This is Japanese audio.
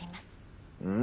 うん？